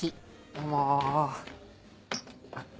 どうも。